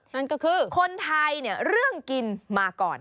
นั่นก็คือคนไทยเนี่ยเรื่องกินมาก่อน